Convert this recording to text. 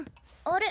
あれ？